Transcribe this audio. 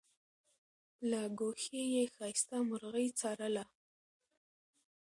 له ګوښې یې ښایسته مرغۍ څارله